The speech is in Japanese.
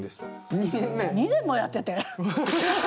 ２年もやってて？